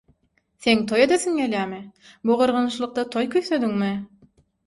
Seň toý edesiň gelýärmi? Bu gyrgynçylykda toý küýsediňmi?